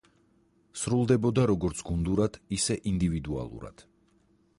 სრულდებოდა როგორც გუნდურად, ისე ინდივიდუალურად.